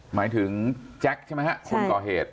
หมายถึงแจ็คใช่ไหมฮะคนก่อเหตุ